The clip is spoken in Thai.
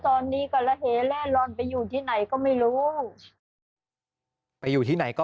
ตอนนี้ก็ระเหแล่ลอนไปอยู่ที่ไหนก็ไม่รู้ไปอยู่ที่ไหนก็